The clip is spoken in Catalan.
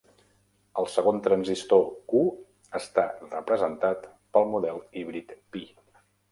El segon transistor "Q" està representat pel model híbrid pi.